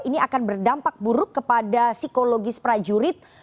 ini akan berdampak buruk kepada psikologis prajurit